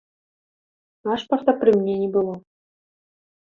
Пашпарта пры мне не было.